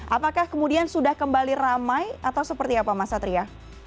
apakah kemudian sudah kembali ramai atau seperti apa mas satria